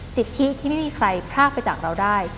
สิทธิที่ไม่มีใครพรากไปจากเราได้